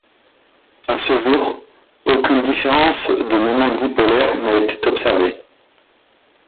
À ce jour, aucune différence de moment dipolaire n'a été observée.